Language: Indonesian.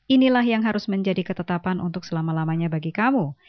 inilah yang harus menjadi ketetapan untuk selama lamanya bagi kamu